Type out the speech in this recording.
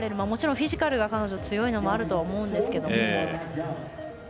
もちろんフィジカルが強いのもあると思うんですけども。